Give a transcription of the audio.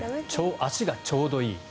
足がちょうどいい。